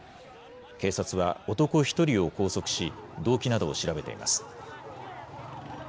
警察は男１人を拘束し、動機などを調べています。